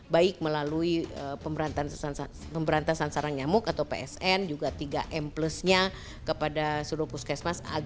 baik melalui pemberantasan sarang nyamuk atau psn juga tiga m plusnya kepada seluruh puskesmas